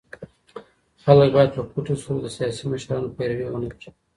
خلګ بايد په پټو سترګو د سياسي مشرانو پيروي ونه کړي.